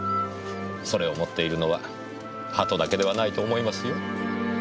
それを持っているのは鳩だけではないと思いますよ。